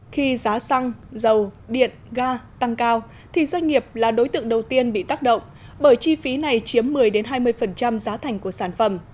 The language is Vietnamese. khi giá xăng dầu điện ga tăng cao thì doanh nghiệp là đối tượng đầu tiên bị tác động bởi chi phí này chiếm một mươi hai mươi giá thành của sản phẩm